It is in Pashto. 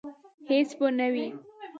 هیڅ به نه وي